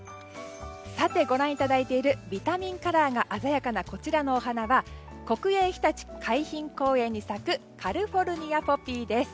ご覧いただいているビタミンカラーが鮮やかなこちらのお花は国営ひたち海浜公園に咲くカルフォルニアポピーです。